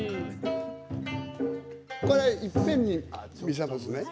いっぺんに見せますね。